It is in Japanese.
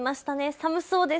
寒そうです。